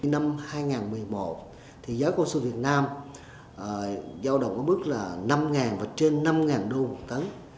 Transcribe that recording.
năm hai nghìn một mươi một thì giá cao su việt nam giao động ở mức là năm và trên năm đô một tấn